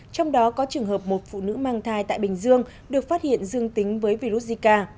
trong đó có trường hợp một phụ nữ mang thai tại bình dương được phát hiện dương tính với virus zika